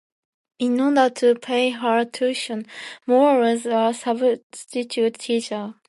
In order to pay her tuition, Moore was a substitute teacher.